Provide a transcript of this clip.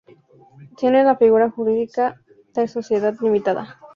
Tiene la figura jurídica de Sociedad Limitada.